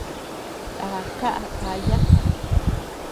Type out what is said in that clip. Na kaʼa daya.